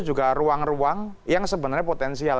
juga ruang ruang yang sebenarnya potensial